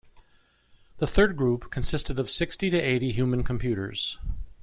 The third group consisted of sixty to eighty human computers.